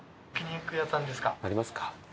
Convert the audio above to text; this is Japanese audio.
ありますか？